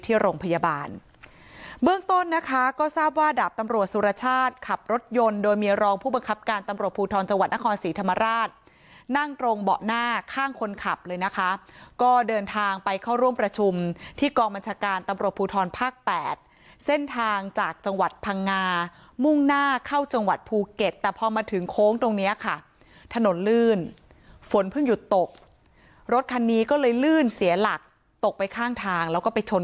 ที่โรงพยาบาลเบื้องต้นนะคะก็ทราบว่าดับตำรวจสุรชาติขับรถยนต์โดยเมียรองผู้บังคับการตำรวจภูทรจังหวัดนครศรีธรรมราชนั่งตรงเบาะหน้าข้างคนขับเลยนะคะก็เดินทางไปเข้าร่วมประชุมที่กองบัญชาการตำรวจภูทรภาค๘เส้นทางจากจังหวัดผังงามุ่งหน้าเข้าจังหวัดภูเก็ตแต่พอมาถึงโค